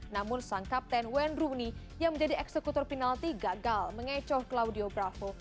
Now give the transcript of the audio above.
namun sang kapten wayne rooney yang menjadi eksekutor penalti gagal mengecoh claudio bravo